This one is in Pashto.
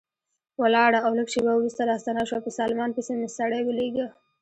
ولاړه او لږ شېبه وروسته راستنه شوه، په سلمان پسې مې سړی ولېږه.